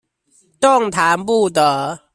動彈不得